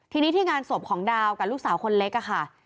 ทีนี้ที่งานศพของดาวกับลูกสาวคนเล็กค่ะ